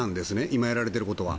今やられていることは。